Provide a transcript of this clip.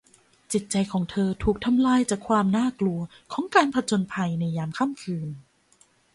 จิตใจของเธอถูกทำลายจากความน่ากลัวของการผจญภัยในยามค่ำคืน